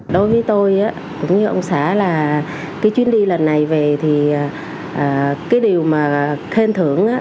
đối với tôi cũng như ông xã là cái chuyến đi lần này về thì cái điều mà khen thưởng